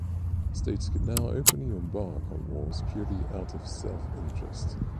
States could now openly embark on wars purely out of self-interest.